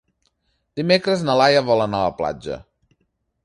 Dimecres na Laia vol anar a la platja.